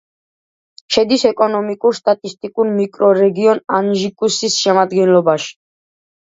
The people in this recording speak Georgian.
შედის ეკონომიკურ-სტატისტიკურ მიკრორეგიონ ანჟიკუსის შემადგენლობაში.